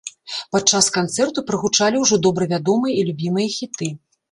Падчас канцэрту прагучалі ўжо добра вядомыя і любімыя хіты.